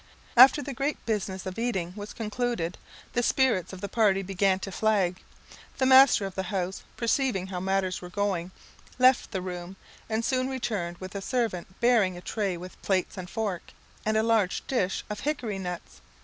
After the great business of eating was concluded the spirits of the party began to flag. The master of the house perceiving how matters were going, left the room, and soon returned with a servant bearing a tray with plates and fork, and a large dish of hiccory nuts.